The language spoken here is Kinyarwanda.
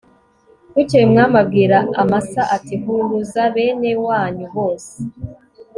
bukeye umwami abwira amasa ati “huruza beneewnyu bose